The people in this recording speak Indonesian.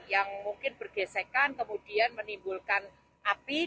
yang mungkin bergesekan kemudian menimbulkan api